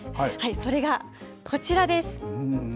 それがこちらです。